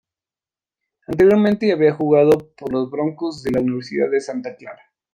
Anteriormente había jugado por los Broncos de la Universidad de Santa Clara.